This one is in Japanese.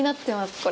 これ。